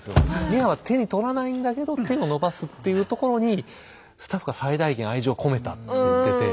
ミアは手に取らないんだけど手を伸ばすっていうところにスタッフが最大限愛情を込めたって言ってて。